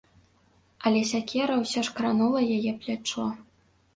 Але сякера ўсё ж кранула яе плячо.